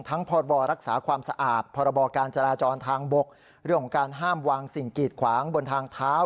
พบรักษาความสะอาดพรบการจราจรทางบกเรื่องของการห้ามวางสิ่งกีดขวางบนทางเท้า